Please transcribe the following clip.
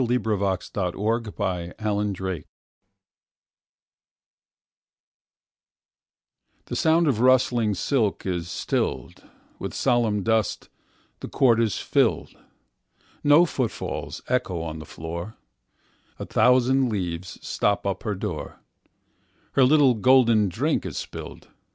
To the Dead Favourite of Liu Ch'e THE SOUND of rustling silk is stilled, With solemn dust the court is filled, No footfalls echo on the floor;A thousand leaves stop up her door, Her little golden drink is spilled.